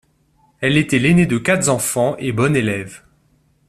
Elle était l'aînée de quatre enfants, et bonne élève.